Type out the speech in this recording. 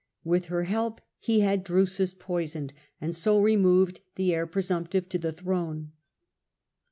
With her help he had Drusus, Drusus poisoned, and so removed the heir presumptive to the throne.